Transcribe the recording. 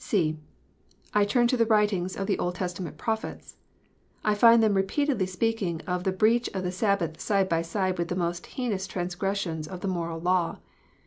* (c) I turn to the writings of the Old Testament Prophets. I find them repeatedly speaking of the breach of the Sabbath side by side with the most heinous transgressions of the moral law.